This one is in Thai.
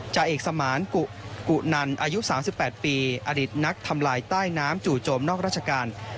จะเอกสมาร์ทกุหนันอายุ๓๘ปีอดิษฐนทำลายใต้น้ำจูโจมนอกราชกาล